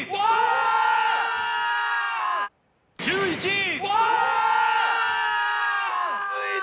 １１位。